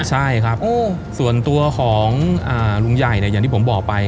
ใช่ครับส่วนตัวของลุงใหญ่เนี่ยอย่างที่ผมบอกไป